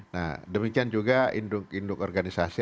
nah demikian juga induk induk organisasi